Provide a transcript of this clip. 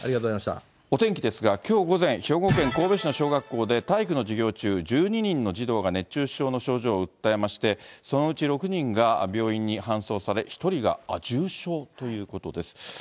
お天気ですが、きょう午前、兵庫県神戸市の小学校で、体育の授業中、１２人の児童が熱中症の症状を訴えまして、そのうち６人が病院に搬送され、１人が重症ということです。